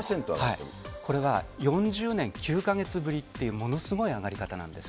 これは４０年９か月ぶりっていうものすごい上がり方なんです。